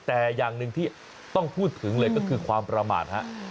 แต่อย่างหนึ่งที่ต้องพูดถึงเลยก็คือความประมาทฮะ